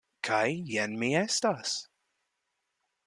Kaj jen mi estas.